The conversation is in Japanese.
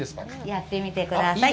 やってみてください。